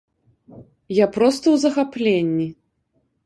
Я проста ў захапленні!